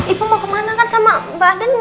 ibu mau kemana kan sama mbak andin